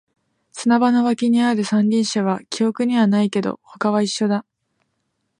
砂場の脇にある三輪車は記憶にはないけど、他は一緒だ